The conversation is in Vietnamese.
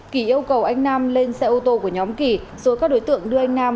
kỳ yêu cầu anh nam lên xe ô tô của nhóm kỳ rồi các đối tượng đưa anh nam